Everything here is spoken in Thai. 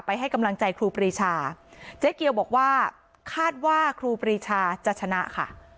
ให้กำลังใจครูปรีชาเจ๊เกียวบอกว่าคาดว่าครูปรีชาจะชนะค่ะ